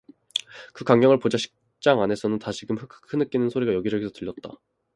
그 광경을 보자 식장 안에서는 다시금 흑흑 흐느끼는 소리가 여기저기서 들렸다.